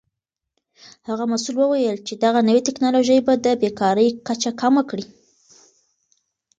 هغه مسؤل وویل چې دغه نوې تکنالوژي به د بیکارۍ کچه کمه کړي.